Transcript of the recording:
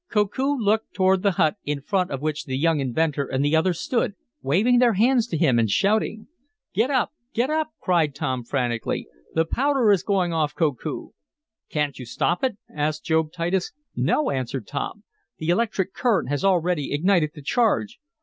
Koku looked toward the hut, in front of which the young inventor and the others stood, waving their hands to him and shouting. "Get up! Get up!" cried Tom, frantically. The powder is going off, Koku!" "Can't you stop it?" asked Job Titus. "No!" answered Tom. "The electric current has already ignited the charge.